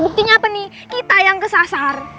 buktinya apa nih kita yang kesasar